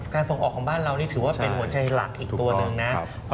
ส่งออกของบ้านเรานี่ถือว่าเป็นหัวใจหลักอีกตัวหนึ่งนะ